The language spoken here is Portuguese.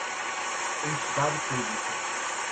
entidade pública